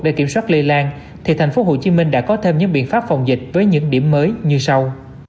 để kiểm soát lây lan thì thành phố hồ chí minh đã có thêm những biện pháp phòng dịch với những điểm mới như sau